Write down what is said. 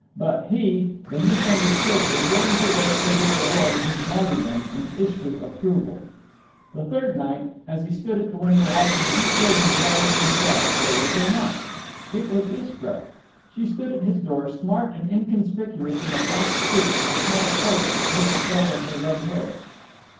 but he—the misunderstood—was willing to wait for the reward of this martyrdom in Istra's approval. The third night, as he stood at the window watching two children playing in the dusk, there was a knock. It was Istra. She stood at his door, smart and inconspicuous in a black suit with a small toque that hid the flare of her red hair.